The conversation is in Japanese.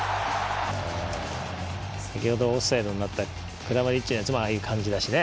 先ほどオフサイドになったクラマリッチがいつもああいう感じだしね。